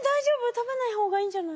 食べない方がいいんじゃない？